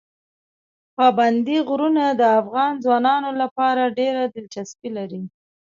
پابندي غرونه د افغان ځوانانو لپاره ډېره دلچسپي لري.